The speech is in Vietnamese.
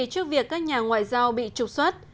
trước việc các nhà ngoại giao bị trục xuất